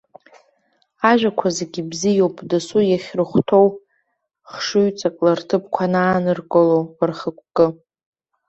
Ажәақәа зегьы бзиоуп, дасу иахьрыхәҭоу хшыҩҵакыла рҭыԥқәа анааныркыло, рхықәкы.